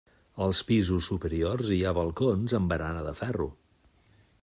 Als pisos superiors hi ha balcons amb barana de ferro.